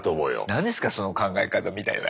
何ですかその考え方みたいな。